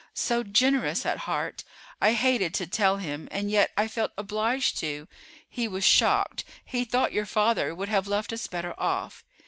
so generous at heart. I hated to tell him, and yet I felt obliged to. He was shocked; he thought your father would have left us better off."